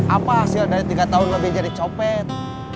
apa hasil dari tiga tahun lebih jadi copet